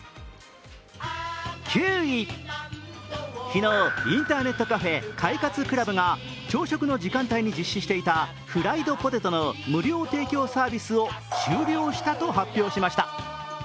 昨日インターネットカフェ、快活ＣＬＵＢが朝食の時間帯に実施していたプライドポテトの無料サービスを終了したと発表しました。